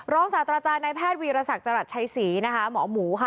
ศาสตราจารย์ในแพทย์วีรศักดิ์จรัสชัยศรีนะคะหมอหมูค่ะ